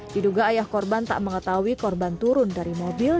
diduga ayah korban tak mengetahui korban turun dari mobil